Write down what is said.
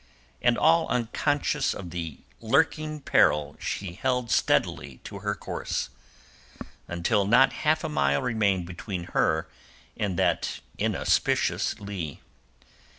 And all unconscious of the lurking peril she held steadily to her course, until not half a mile remained between her and that inauspicious lee.